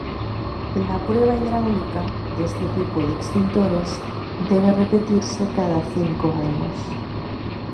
La prueba hidráulica de este tipo de extintores debe repetirse cada cinco años.